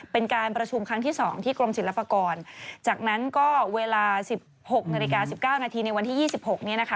เป็นการประชุมครั้งที่๒ที่กรมศิลปากรจากนั้นก็เวลา๑๖นาฬิกา๑๙นาทีในวันที่๒๖นี้นะคะ